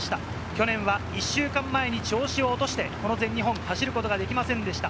去年は１週間前に調子を落として全日本を走ることができませんでした。